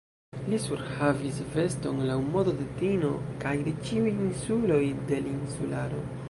Li surhavis veston laŭ modo de Tino kaj de ĉiuj insuloj de l' Insularo.